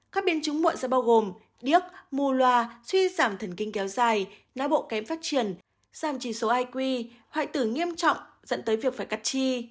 các biên chứng muộn sẽ bao gồm điếc mù loa suy giảm thần kinh kéo dài nã bộ kém phát triển giảm trì số iq hoại tử nghiêm trọng dẫn tới việc phải cắt chi